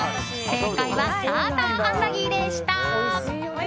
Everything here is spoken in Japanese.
正解はサーターアンダギーでした。